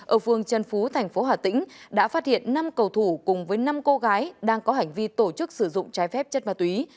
ở phương trần phú thành phố hà tĩnh đã phát hiện năm cầu thủ cùng với năm cô gái đang có hành vi tổ chức sử dụng trái phép chất ma túy